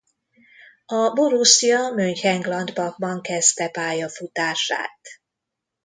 A Borussia Mönchengladbachban kezdte pályafutását.